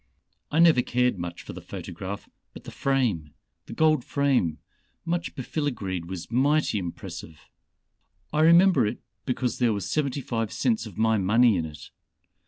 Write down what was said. I never cared much for the photograph, but the frame the gold frame much befiligreed was mighty impressive. I remember it because there was seventy five cents of my money in it.